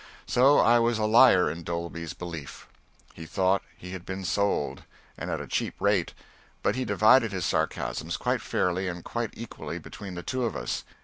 So I was a liar in Dolby's belief. He thought he had been sold, and at a cheap rate; but he divided his sarcasms quite fairly and quite equally between the two of us.